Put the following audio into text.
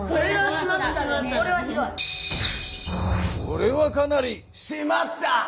これはかなり「しまった！」